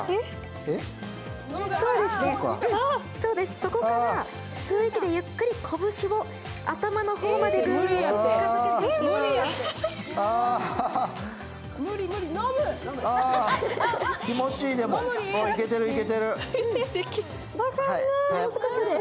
そこから吸う息でゆっくり拳を頭の方までぐっと近づけていきます。